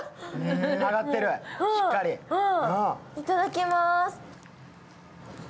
いただきまーす。